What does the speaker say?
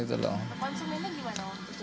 untuk konsumennya gimana